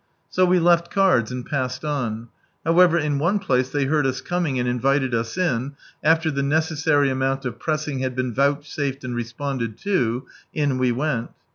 So we left cards and passed on. However in one place they heard us coming, and invited us in ; after the necessary amount of pressing had been vouchsafed and responded to, in we went.